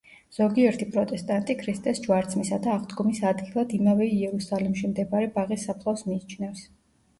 ზოგიერთი პროტესტანტი ქრისტეს ჯვარცმისა და აღდგომის ადგილად, იმავე იერუსალიმში მდებარე ბაღის საფლავს მიიჩნევს.